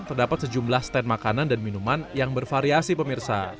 terdapat sejumlah stand makanan dan minuman yang bervariasi pemirsa